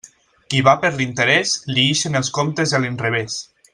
Qui va per l'interés, li ixen els comptes a l'inrevés.